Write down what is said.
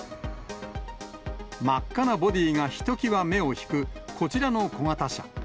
真っ赤なボディーがひときわ目を引くこちらの小型車。